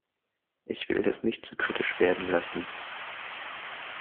Ich will das nicht zu kritisch werden lassen.